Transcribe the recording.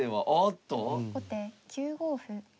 後手９五歩。